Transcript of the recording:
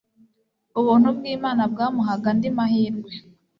ubuntu bw'imana bwamuhaga andi mahirwe